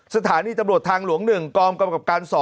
สถานีตำรวจทางหลวง๑กรอบกรรมกรรมกรรมการ๒